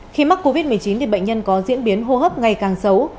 khi mắc covid một mươi chín thì bệnh nhân có diễn biến hô hấp ngày càng xấu